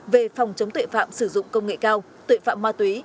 về phòng chống tội phạm sử dụng công nghệ cao tội phạm ma túy